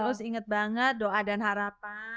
terus inget banget doa dan harapan